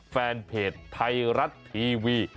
แฟนเพจไทยรัฐทีวี